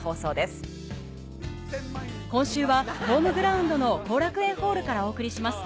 今週はホームグラウンドの後楽園ホールからお送りします